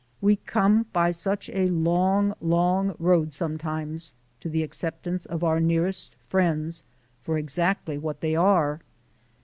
We come by such a long, long road, sometimes, to the acceptance of our nearest friends for exactly what they are.